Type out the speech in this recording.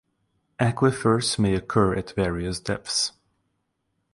Aquifers may occur at various depths.